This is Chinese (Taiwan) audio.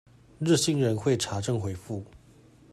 熱心人會查證回覆